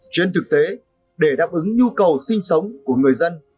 trên thực tế để đáp ứng nhu cầu sinh sống của người dân